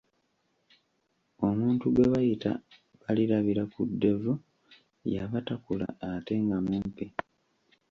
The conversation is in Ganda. Omuntu gwe bayita Balirabirakuddevu yaba takula ate nga mumpi.